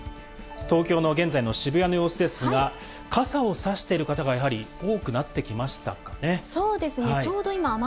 東京の現在の渋谷の様子ですが、傘をさしている方がやはり多くなってきましたね。